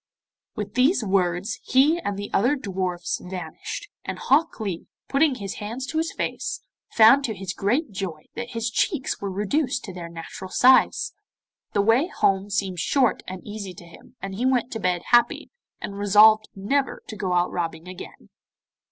With these words he and the other dwarfs vanished, and Hok Lee, putting his hands to his face, found to his great joy that his cheeks were reduced to their natural size. The way home seemed short and easy to him, and he went to bed happy, and resolved never to go out robbing again.